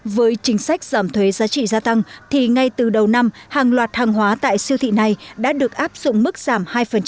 với chính sách giảm thuế giá trị gia tăng thì ngay từ đầu năm hàng loạt hàng hóa tại siêu thị này đã được áp dụng mức giảm hai